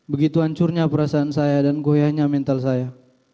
begitu hancurnya perasaan saya dan goyahnya mental saya